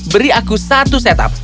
beri aku satu set up